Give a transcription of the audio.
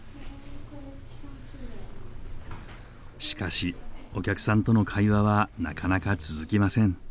しかしお客さんとの会話はなかなか続きません。